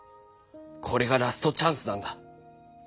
これがラストチャンスなんだ。